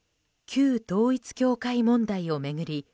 旧統一教会問題を巡り